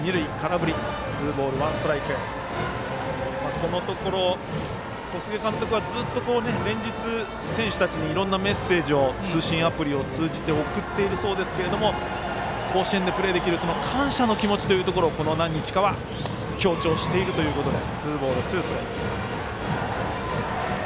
このところ小菅監督はずっと連日、選手たちにいろんなメッセージを通信アプリを通じて送っているそうですけど甲子園でプレーできるその感謝の気持ちというところをこの何日かは強調しているということです。